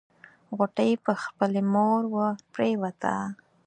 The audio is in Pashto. غوټۍ پر خپلې مور ورپريوته.